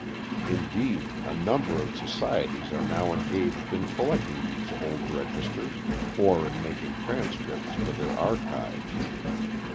Indeed, a number of societies are now engaged in collecting these old registers, or in making transcripts for their archives.